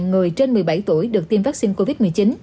người trên một mươi bảy tuổi được tiêm vaccine covid một mươi chín